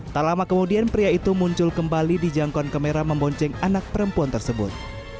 tak lama kemudian pria itu muncul kembali di jangkauan kamera membonceng anak perempuan tersebut